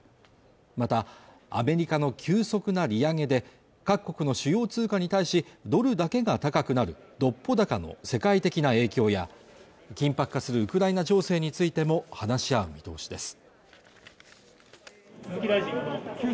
またアメリカの急速な利上げで各国の主要通貨に対しドルだけが高くなる独歩高の世界的な影響や緊迫化するウクライナ情勢についても話し合う見通しです